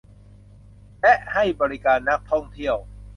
และให้บริการนักท่องเที่ยว